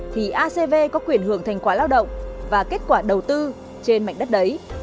thì acv có quyền hưởng thành quả lao động và kết quả đầu tư trên mảnh đất đấy